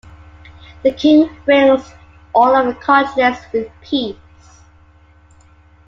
The King wins all of the continents with peace.